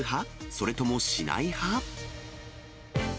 それともしない派？